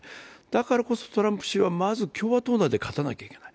だからこそ、トランプ氏はまず共和党内で勝たなければいけない。